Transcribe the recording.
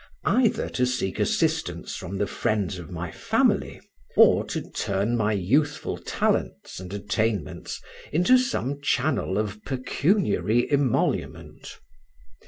either to seek assistance from the friends of my family, or to turn my youthful talents and attainments into some channel of pecuniary emolument.